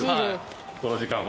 この時間は？